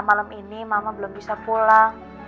malam ini mama belum bisa pulang